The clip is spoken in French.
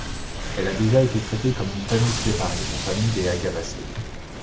Elle a déjà été traité comme une famille séparée, la famille des Agavaceae.